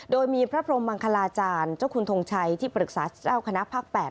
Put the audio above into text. โดยมีพระพรมมังคลาจารย์เจ้าคุณทงชัยที่ปรึกษาเจ้าคณะภาค๘